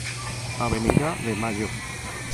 Avenida de Mayo